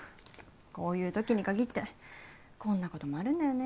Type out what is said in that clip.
こういう時に限ってこんなこともあるんだよね。